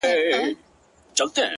• لښکر پردی وي خپل پاچا نه لري,